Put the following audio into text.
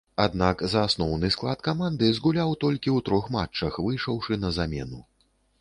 Аднак, за асноўны склад каманды згуляў толькі ў трох матчах, выйшаўшы на замену.